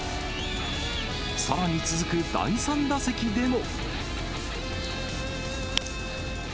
さらに続く第３打席でも。